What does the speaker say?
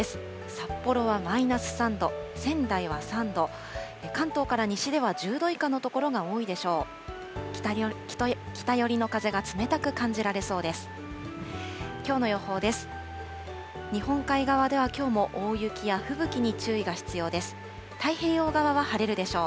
札幌はマイナス３度、仙台は３度、関東から西では１０度以下の所が多いでしょう。